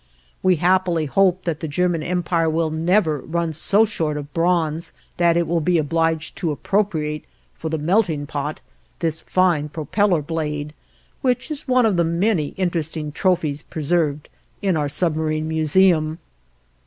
We happily hope that the German Empire will never run so short of bronze that it will be obliged to appropriate, for the melting pot, this fine propeller blade, which is one of the many interesting trophies preserved in our Submarine Museum.